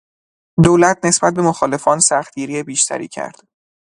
دولت نسبت به مخالفان سختگیری بیشتری کرد.